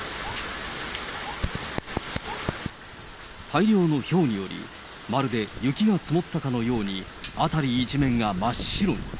大量のひょうにより、まるで雪が積もったかのように、辺り一面が真っ白に。